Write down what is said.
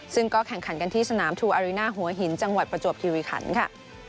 ซึ่งก็แข่งขันกันที่สนามทูอาริน่าหัวหินจังหวัดประจวบคิริขันค่ะ